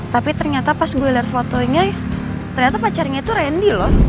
tapi ternyata pas gue liat fotonya ternyata pacarnya itu randy loh